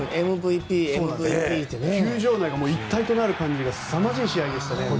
球場内が一体となる感じがすさまじい試合でしたね。